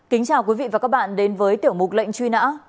kính chào quý vị và các bạn đến với tiểu mục lệnh truy nã